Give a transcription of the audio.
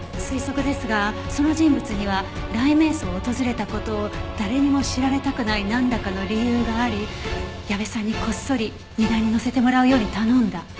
推測ですがその人物には雷冥荘を訪れた事を誰にも知られたくないなんらかの理由があり矢部さんにこっそり荷台に乗せてもらうように頼んだ。